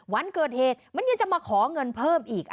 วันเกิดเหตุมันยังจะมาขอเงินเพิ่มอีก